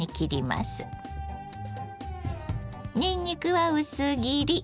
にんにくは薄切り。